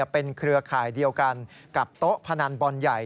เป็นเครือข่ายเดียวกันกับโต๊ะพนันบอลใหญ่